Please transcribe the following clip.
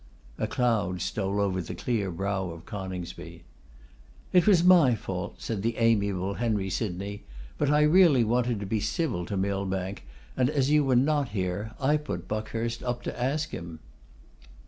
A cloud stole over the clear brow of Coningsby. 'It was my fault,' said the amiable Henry Sydney; 'but I really wanted to be civil to Millbank, and as you were not here, I put Buckhurst up to ask him.